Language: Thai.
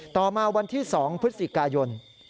ต่อมาวันที่๒พฤศจิกายน